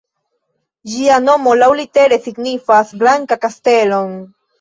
Ĝia nomo laŭlitere signifas "Blanka Kastelo"-n.